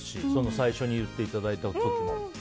最初に言っていただいた時も。